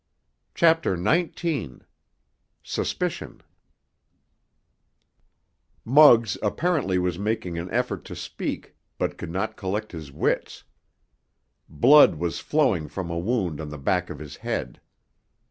CHAPTER XIX—SUSPICION Muggs apparently was making an effort to speak, but could not collect his wits. Blood was flowing from a wound on the back of his head.